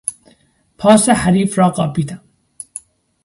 پاس حریف را قاپیدم.